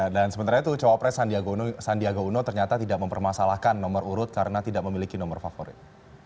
dan sementara itu cowok pres sandiaga uno ternyata tidak mempermasalahkan nomor urut karena tidak memiliki nomor favorit